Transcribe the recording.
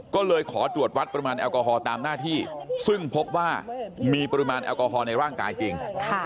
ก็เลยขอตรวจวัดปริมาณแอลกอฮอลตามหน้าที่ซึ่งพบว่ามีปริมาณแอลกอฮอลในร่างกายจริง